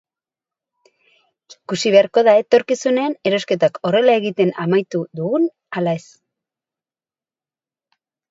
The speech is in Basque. Ikusi beharko da etorkizunean erosketak horrela egiten amaitu dugun ala ez.